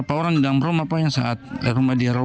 pemilik rumah mengaku sempat ikut terjatuh ke laut